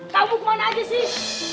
kamu kemana aja sih